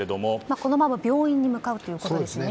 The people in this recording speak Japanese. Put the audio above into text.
このまま病院に向かうということですね。